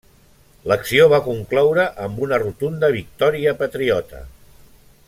L'acció va concloure amb una rotunda victòria patriota.